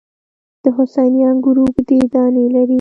د حسیني انګور اوږدې دانې لري.